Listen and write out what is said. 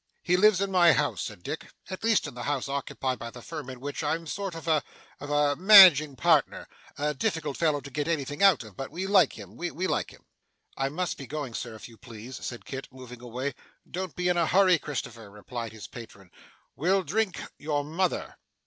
'He lives in my house,' said Dick; 'at least in the house occupied by the firm in which I'm a sort of a of a managing partner a difficult fellow to get anything out of, but we like him we like him.' 'I must be going, sir, if you please,' said Kit, moving away. 'Don't be in a hurry, Christopher,' replied his patron, 'we'll drink your mother.